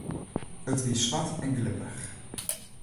It wie swart en glibberich.